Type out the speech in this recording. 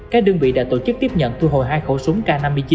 các đơn vị đã tổ chức tiếp nhận thu hồi hai khẩu súng k năm mươi chín